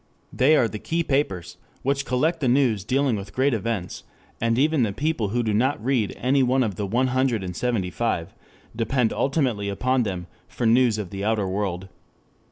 They are the key papers which collect the news dealing with great events, and even the people who do not read any one of the one hundred and seventy five depend ultimately upon them for news of the outer world.